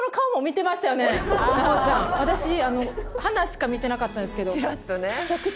私花しか見てなかったんですけど。